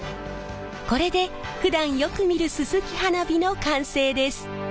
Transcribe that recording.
これでふだんよく見るすすき花火の完成です。